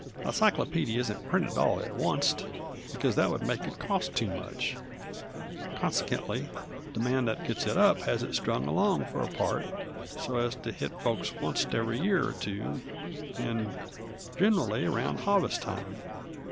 A cyclopeedy isn't printed all at oncet, because that would make it cost too much; consekently the man that gets it up has it strung along fur apart, so as to hit folks oncet every year or two, and gin'rally about harvest time.